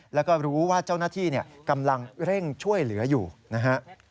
แล้วก็รู้ว่าเจ้าหน้าที่กำลังเร่งช่วยเหลืออยู่นะฮะ